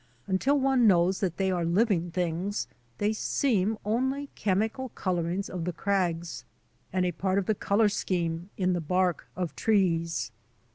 Until one knows that they are living things they seem only chemical colour ings on the crags, and a part of the colour scheme in the bark of trees.